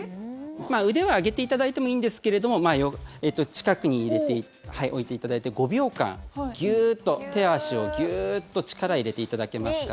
腕は上げていただいてもいいんですけども近くに入れておいていただいて５秒間、ギューッと手足をギューッと力入れていただけますか？